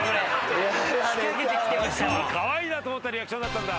カワイイなと思ったリアクションだったんだ。